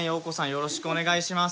よろしくお願いします。